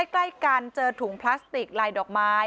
ใกล้กันเจอถุงพลาสติกลายดอกไม้